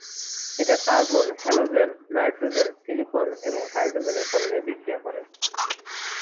এটা carbon, halogen, nitrogen, silicon এবং হাইড্রোজেনের সঙ্গে বিক্রিয়া করে।